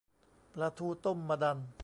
ปลาทูต้มมะดัน